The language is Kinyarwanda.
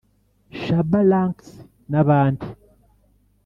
Shabba Ranks n’abandi